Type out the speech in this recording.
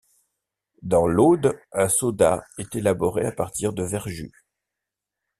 Dans l'Aude, un soda est élaboré à partir de verjus.